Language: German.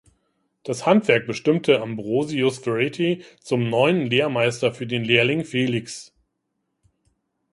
Das Handwerk bestimmte Ambrosius Ferrethi zum neuen Lehrmeister für den Lehrling Felix.